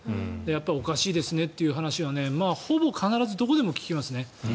おかしいですねという話は必ずどこでも聞きますね。